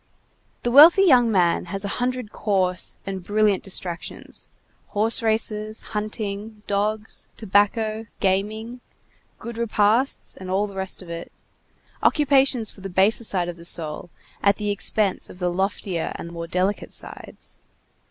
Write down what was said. The wealthy young man has a hundred coarse and brilliant distractions, horse races, hunting, dogs, tobacco, gaming, good repasts, and all the rest of it; occupations for the baser side of the soul, at the expense of the loftier and more delicate sides.